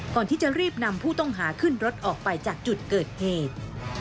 ก่อนที่จะรีบนำผู้ต้องหาขึ้นรถออกไปจากจุดเกิดเหตุ